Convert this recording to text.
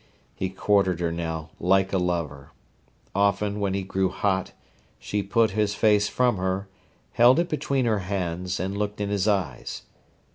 He courted her now like a lover. Often, when he grew hot, she put his face from her, held it between her hands, and looked in his eyes.